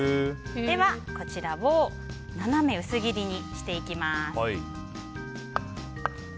では、こちらを斜め薄切りにしていきます。